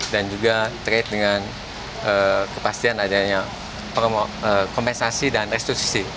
dan juga terkait dengan kepastian adanya kompensasi dan restitusi